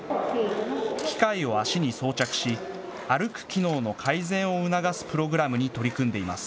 機械を足に装着し、歩く機能の改善を促すプログラムに取り組んでいます。